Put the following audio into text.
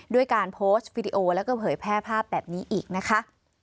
ด้วยการโพสต์วิดีโอแล้วก็เผยแพร่ภาพแบบนี้อีกนะคะ